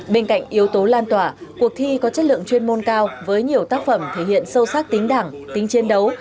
bên cạnh yếu tố lan tỏa cuộc thi có chất lượng chuyên môn cao với nhiều tác phẩm thể hiện sâu sắc tính đảng tính chiến đấu